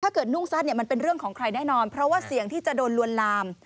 นุ่งสั้นเนี่ยมันเป็นเรื่องของใครแน่นอนเพราะว่าเสี่ยงที่จะโดนลวนลาม